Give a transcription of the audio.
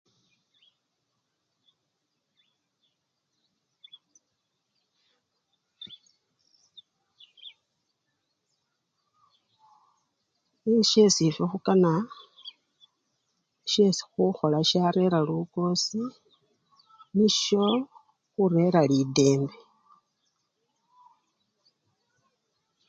Nisyo syesi efwe khukana syesi! khukhola syarera lukosi, nisyo khurera lidembe.